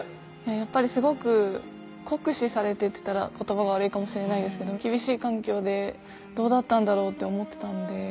すごく酷使されてるって言ったら言葉が悪いかもしれないけど厳しい環境でどうだったんだろうって思ってたんで。